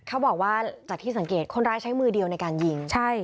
เขาบอกว่าจากที่สังเกตคนร้ายใช้มือเดียวในการยิงใช่